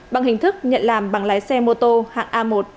bằng hình thức nhận làm bằng lái xe mô tô hạng a một